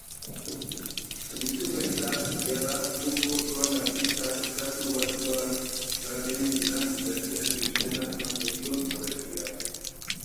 Entzungai da jada mundu osoan artista estatubatuarraren lan berriari izena emango dion abestia.